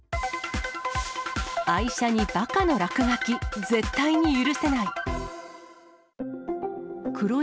愛車にバカの落書き、絶対に許せない。